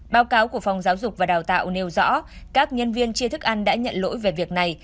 báo cáo của phòng giáo dục và đào tạo nêu rõ các nhân viên chia thức ăn đã nhận lỗi về việc này